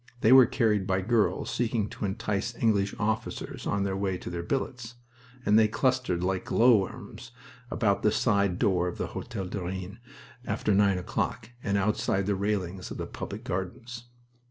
They were carried by girls seeking to entice English officers on their way to their billets, and they clustered like glowworms about the side door of the Hotel du Rhin after nine o'clock, and outside the railings of the public gardens.